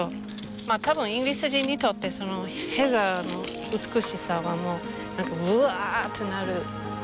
まあ多分イギリス人にとってヘザーの美しさはもう何かブワッとなる。